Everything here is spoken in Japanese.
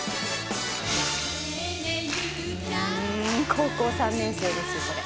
高校３年生ですこれ。